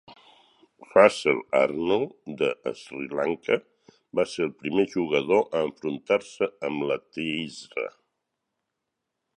Russel Arnold de Sri Lanka va ser el primer jugador a enfrontar-se amb la teesra.